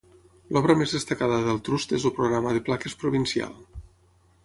L'obra més destacada del Trust és el programa de plaques provincial.